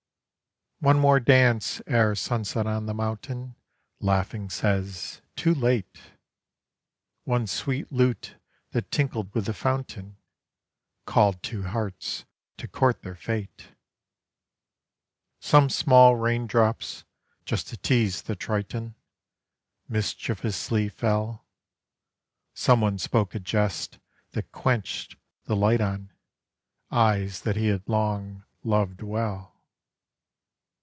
One more dance ere sunset on the mountain Laughing says, "Too late"; One sweet lute that tinkled with the fountain Called two hearts to court their fate. Some small raindrops, just to tease the Triton, Mischievously fell; Some one spoke a jest that quenched the light on Eyes that he had long loved well.